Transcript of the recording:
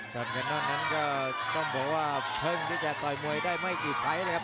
จอนคานนอนก็ต้องบอกพึ่งจะต่อมวยได้ไม่กี่พัยนะครับ